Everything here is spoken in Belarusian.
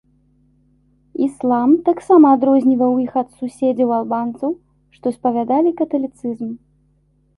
Іслам таксама адрозніваў іх ад суседзяў-албанцаў, што спавядалі каталіцызм.